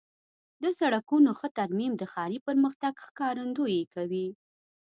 د سړکونو ښه ترمیم د ښاري پرمختګ ښکارندویي کوي.